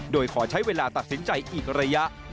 โดยขอใช้เวลาตัดสินใจอีกระยะ